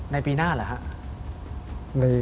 ในปีหน้าหรือครับ